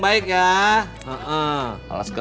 mak mau dong